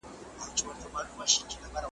دوست اشارې ته ګوري او دښمن وارې ته